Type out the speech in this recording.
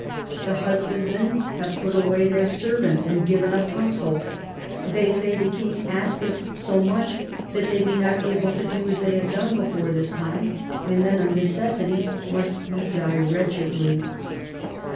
The husbandmen have put away their ser vants and given up household ; they say the king asketh so much that they be not able to do as they have done before this time, and then of necessity must we die wretchedly."